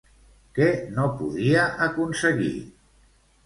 Què no podia aconseguir?